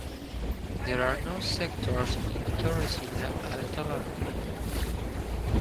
There are no sectors in Torrecilla Alta barrio.